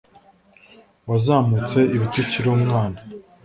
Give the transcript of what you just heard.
Wazamutse ibiti ukiri umwana